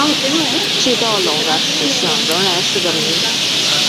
巨盗龙的食性仍然是个谜。